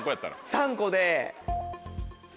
３個で。